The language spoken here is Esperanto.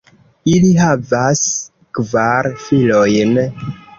Ili havas kvar filojn.